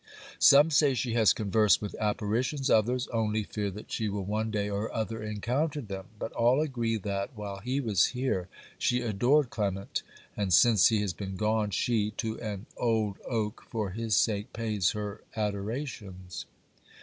Some say she has conversed with apparitions, others only fear that she will one day or other encounter them; but all agree that, while he was here, she adored Clement. And since he has been gone she, to an old oak, for his sake, pays her adorations.